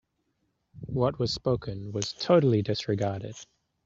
What was spoken was totally disregarded.